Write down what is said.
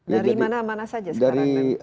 dari mana mana saja sekarang